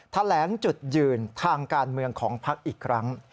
แถลงจุดยืนทางการเมืองของพักอีกครั้ง